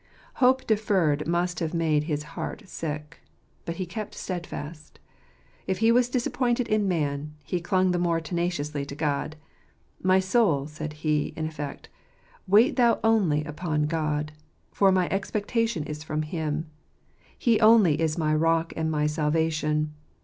Hope deferred must have made his heart sick. But he kept steadfast. If he was disappointed in man, he clung 5 the more tenaciously to God. " My soul," said he, in effect, "wait thou only upon God; for my expectation is from Him. He only is my rock and my salvation."